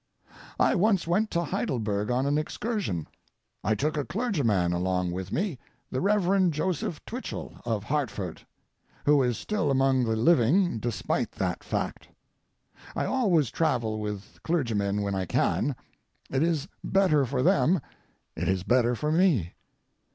I once went to Heidelberg on an excursion. I took a clergyman along with me, the Rev. Joseph Twichell, of Hartford, who is still among the living despite that fact. I always travel with clergymen when I can. It is better for them, it is better for me.